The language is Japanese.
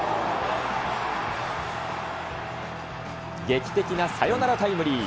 劇的なサヨナラタイムリー。